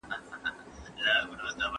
د سياست موخه د ټولنې خدمت نه دی؟